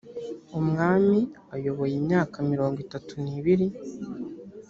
umwami ayoboye imyaka mirongo itatu n ibiri